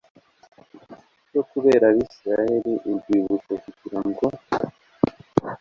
cyo kubera abisirayeli urwibutso kugira ngo